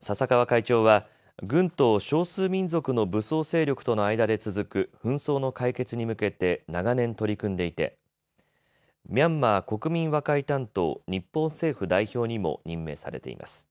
笹川会長は軍と少数民族の武装勢力との間で続く紛争の解決に向けて長年取り組んでいてミャンマー国民和解担当日本政府代表にも任命されています。